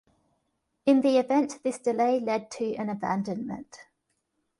In the event this delay led to an abandonment.